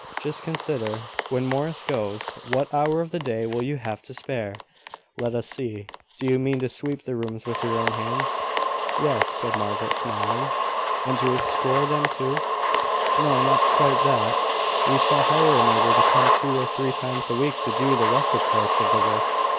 Just consider. When Morris goes, what hour of the day will you have to spare? Let us see; do you mean to sweep the rooms with your own hands?" "Yes," said Margaret, smiling. "And to scour them too?" "No; not quite that. We shall hire a neighbour to come two or three times a week to do the rougher parts of the work.